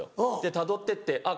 たどってってあっ